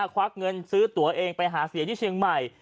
ควักเงินซื้อตัวเองไปหาเสียที่เชียงใหม่